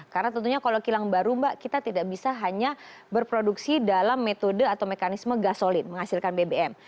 karena tentunya kalau kilang baru mbak kita tidak bisa hanya berproduksi dalam metode atau mekanisme gasolin menghasilkan bbm